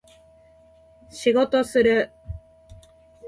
仕事する